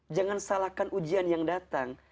jangan salahkan ujian yang datang